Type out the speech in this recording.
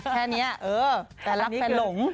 แค่นี้เออแฟนรักแฟนหลง